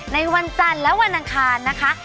ในวันจันทร์และวันอังคารนะคะ